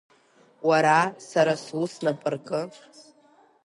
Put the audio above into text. Уара, сара сус напаркы.